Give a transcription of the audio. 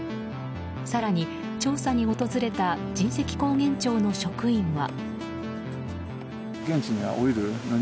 更に調査に訪れた神石高原町の職員は。